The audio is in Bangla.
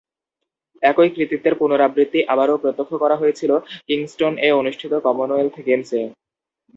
একই কৃতিত্বের পুনরাবৃত্তি আবারও প্রত্যক্ষ করা হয়েছিল কিংস্টন এ অনুষ্ঠিত কমনওয়েলথ গেমস এ।